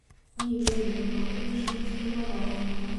Не ведаю, пакуль яшчэ не спрабаваў.